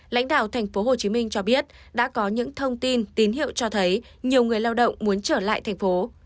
lãnh đạo tp hcm cho biết đã có những thông tin tín hiệu cho thấy nhiều người lao động muốn trở lại thành phố